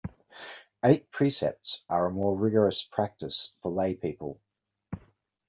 Eight Precepts are a more rigorous practice for laypeople.